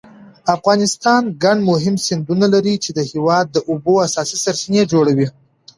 افغانستان ګڼ مهم سیندونه لري چې د هېواد د اوبو اساسي سرچینې جوړوي.